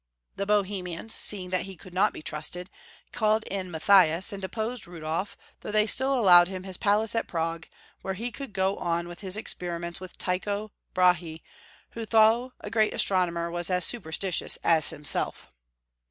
The Bohemians, seeing that he could not be trusted, called in Matthias, and deposed Rudolf, though they still allowed liim his palace at Prague, where he could go on with his experiments with Tycho Brahe, who though a great astronomer, was as superstitious as himself.